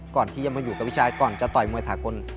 ก่อนที่จะมาอยู่กับพี่ชายก่อนจะต่อยมวยสากล